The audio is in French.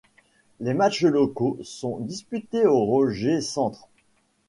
Les matchs locaux sont disputés au Rogers Centre.